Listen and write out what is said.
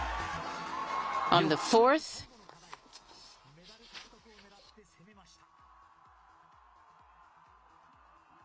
メダル獲得を狙って攻めました。